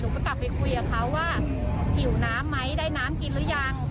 ก็กลับไปคุยกับเขาว่าหิวน้ำไหมได้น้ำกินหรือยัง